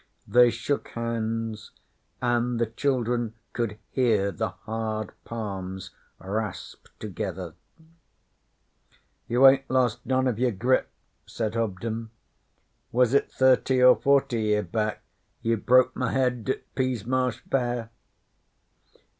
They shook hands, and the children could hear the hard palms rasp together. 'You ain't lost none o' your grip,' said Hobden. 'Was it thirty or forty year back you broke my head at Peasmarsh Fair?'